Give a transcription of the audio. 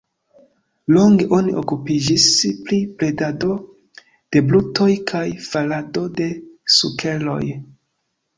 Longe oni okupiĝis pri bredado de brutoj kaj farado de sukeroj.